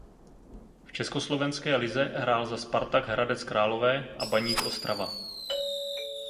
V československé lize hrál za Spartak Hradec Králové a Baník Ostrava.